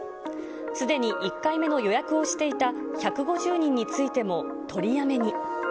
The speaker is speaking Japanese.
すでに１回目の予約をしていた１５０人についても、取りやめに。